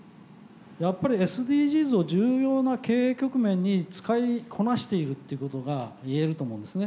やっぱりＳＤＧｓを重要な経営局面に使いこなしているっていうことが言えると思うんですね。